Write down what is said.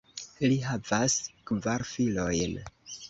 Li havas kvar filojn.